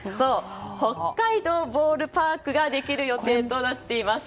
北海道ボールパークができる予定となっています。